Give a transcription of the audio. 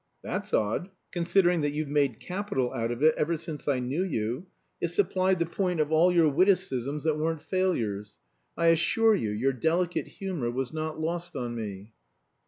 "That's odd, considering that you've made capital out of it ever since I knew you. It supplied the point of all your witticisms that weren't failures. I assure you your delicate humor was not lost on me."